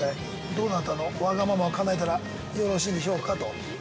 どなたのわがままをかなえたらよろしいでしょうかと。